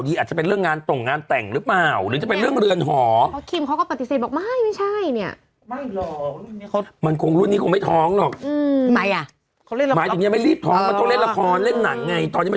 ก็เห็นเขาบอกอะไรหมากมีท่านรูปท้องอะไรสักอย่างป่ะ